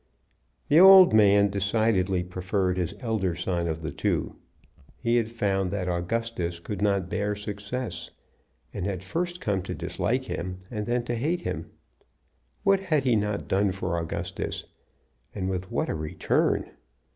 The old man decidedly preferred his elder son of the two. He had found that Augustus could not bear success, and had first come to dislike him, and then to hate him. What had he not done for Augustus? And with what a return!